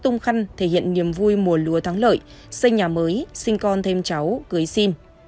tung khăn thể hiện niềm vui mùa lùa thắng lợi xây nhà mới sinh con thêm cháu cưới xin